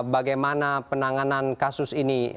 bagaimana penanganan kasus ini